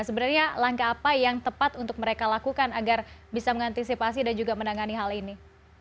sebenarnya langkah apa yang tepat untuk mereka lakukan agar bisa mengantisipasi dan juga menangani hal ini